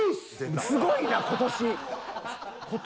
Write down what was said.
すごいな今年。